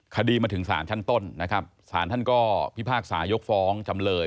คดีมาถึงศาลชั้นต้นนะครับสารท่านก็พิพากษายกฟ้องจำเลย